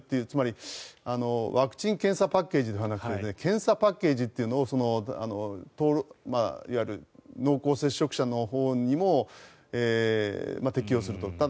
つまりワクチン・検査パッケージで検査パッケージというのをいわゆる濃厚接触者のほうにも適用すると。